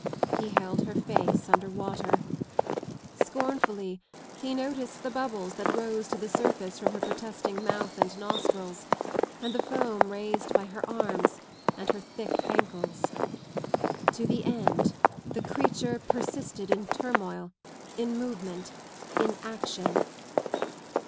He held her face under water. Scornfully he noticed the bubbles that rose to the surface from her protesting mouth and nostrils, and the foam raised by her arms and her thick ankles. To the end the creature persisted in turmoil, in movement, in action.